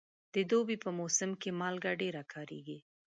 د دوبي په موسم کې مالګه ډېره کارېږي.